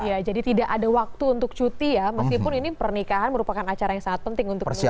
ya jadi tidak ada waktu untuk cuti ya meskipun ini pernikahan merupakan acara yang sangat penting untuk kemudian